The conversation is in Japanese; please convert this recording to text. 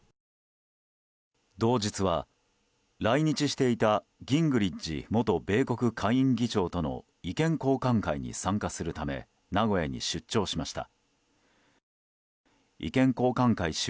同日は、来日していたギングリッチ元米国下院議長との意見交換会に参加するため名古屋に出張しました。